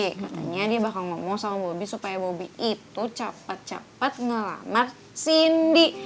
katanya dia bakal ngomong sama bobi supaya bobi itu cepet cepet ngelamar sindi